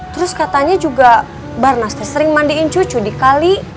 terus katanya juga barnas tersering mandiin cucu di kali